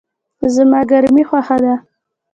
زما ګرمی خوښه ده